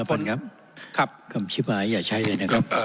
คุณอภัณฑ์ครับคำฉิบหายอย่าใช้เลยนะครับ